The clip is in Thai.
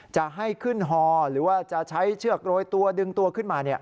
จะให้ขึ้นฮอหรือว่าจะใช้เชือกโรยตัวดึงตัวขึ้นมา